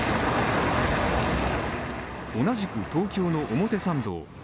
同じく東京の表参道。